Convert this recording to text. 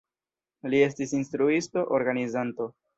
Li estis instruisto, organizanto.